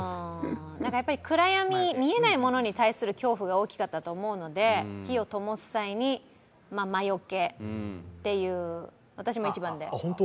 暗闇、見えないものに対する恐怖が大きかったと思うので、火をともす際に魔よけっていう私も１番で。